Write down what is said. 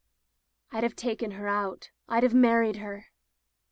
'* "Fd have taken her out. Fd have married her."